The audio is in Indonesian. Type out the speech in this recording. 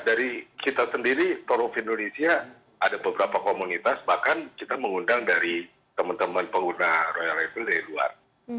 dari kita sendiri tour of indonesia ada beberapa komunitas bahkan kita mengundang dari teman teman pengguna royal reptil dari luar